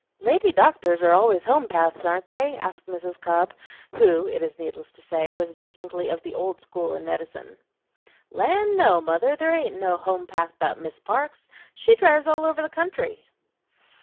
"Lady doctors are always home'paths, ain't they?" asked Mrs. Cobb, who, it is needless to say, was distinctly of the old school in medicine. "Land, no, mother; there ain't no home'path 'bout Miss Parks she drives all over the country."